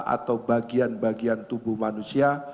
atau bagian bagian tubuh manusia